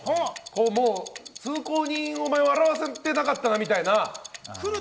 通行人を笑わせたかったなみたいな。